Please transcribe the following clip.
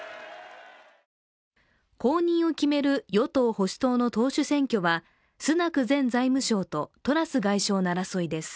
後任を決める与党保守党の党首選挙はスナク前財務相とトラス外相の争いです。